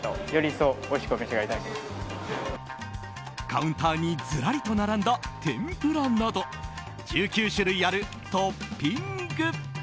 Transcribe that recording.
カウンターにずらりと並んだ天ぷらなど１９種類あるトッピング。